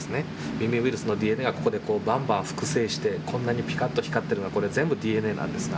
ミミウイルスのＤＮＡがここでばんばん複製してこんなにピカッと光っているのは全部ＤＮＡなんですが。